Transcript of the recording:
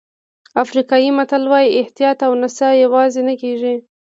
افریقایي متل وایي احتیاط او نڅا یوځای نه کېږي.